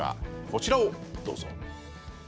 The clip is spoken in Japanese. こちらをどうぞ。